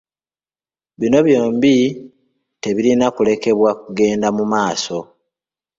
Bino byombi tebirina kulekebwa kugenda mu maaso.